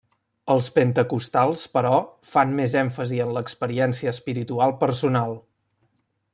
Els pentecostals, però, fan més èmfasi en l'experiència espiritual personal.